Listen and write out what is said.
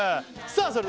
さあ